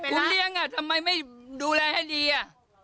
คุณเลี้ยงอ่ะทำไมไม่ดูแลให้ดีอ่ะ